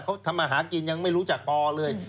เขาทำมาหากินยังไม่รู้จักปอเลย